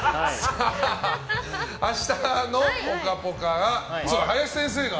明日の「ぽかぽか」は林先生が。